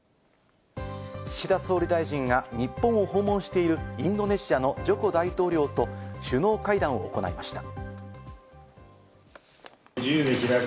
岸田総理大臣が日本を訪問しているインドネシアのジョコ大統領と首脳会談を行いました。